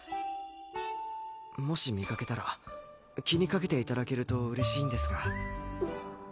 もし見かけたら気にかけて頂けると嬉しいんですが。